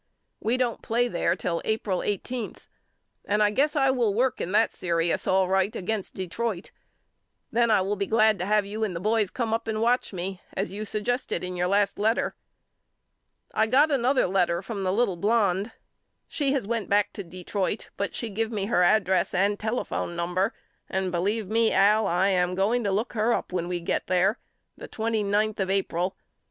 We don't play there till April eight eenth and I guess I will work in that serious all right against Detroit. Then I will be glad to have you and the boys come up and watch me as you suggested in your last letter. I got another letter from the little blonde. She has went back to Detroit but she give me her ad dress and telephone number and believe me Al I am going to look her up when we get there the twenty ninth of April.